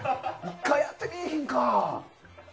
１回やってみいひんか？